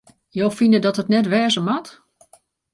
Jo fine dat it net wêze moat?